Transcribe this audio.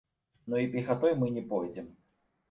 Ну і пехатой мы не пойдзем.